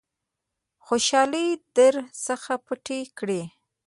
خوشالۍ در څخه پټې کړي .